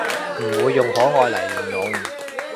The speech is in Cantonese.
唔會用可愛嚟形容